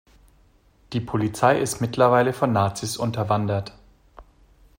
Die Polizei ist mittlerweile von Nazis unterwandert.